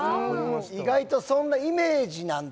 意外とそんなイメージなんだ